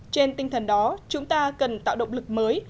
trên tinh thần đó chúng ta cần tạo động lực mới